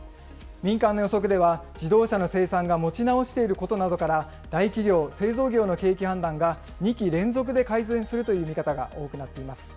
民間の予測では自動車の生産が持ち直していることなどから、大企業・製造業の景気判断が２期連続で改善するという見方が多くなっています。